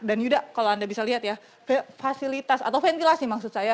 dan yuda kalau anda bisa lihat ya fasilitas atau ventilasi maksud saya